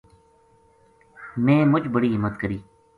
میں مُچ بڑی ہمت کری